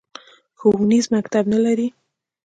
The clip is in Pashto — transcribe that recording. ښوونیز مکتب نه لري